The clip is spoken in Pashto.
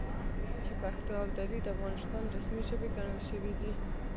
چې پښتو او دري د افغانستان رسمي ژبې ګڼل شوي دي،